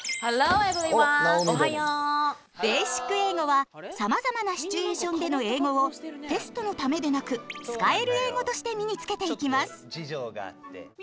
「ベーシック英語」はさまざまなシチュエーションでの英語をテストのためでなく使える英語として身につけていきます。